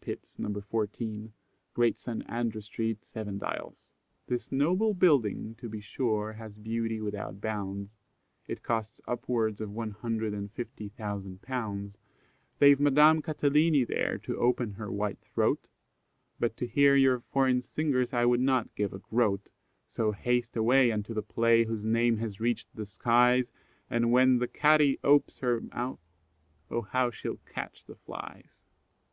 Pitts, No. 14, Great St. Andrew street, Seven Dials. "This noble building, to be sure, has beauty without bounds, It cost upwards of one hundred and fifty thousand pounds; They've Madame Catalini there to open her white throat, But to hear your foreign singers I would not give a groat; So haste away unto the play, whose name has reached the skies, And when the Cati ope's her mouth, oh how she'll catch the flies!"